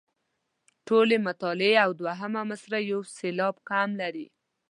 ټولې مطلعې او دوهمه مصرع یو سېلاب کم لري.